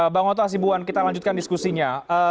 bang oto asibuan kita lanjutkan diskusinya